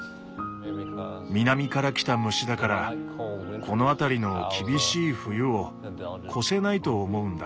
南から来た虫だからこの辺りの厳しい冬を越せないと思うんだ。